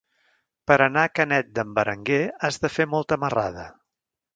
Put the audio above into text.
Per anar a Canet d'en Berenguer has de fer molta marrada.